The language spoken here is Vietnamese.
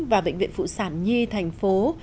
và bệnh viện phụ sản nhi thành phố